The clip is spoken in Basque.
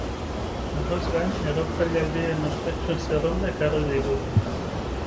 Horrez gain, erretzaileak diren ospetsuen zerrenda ekarri digu.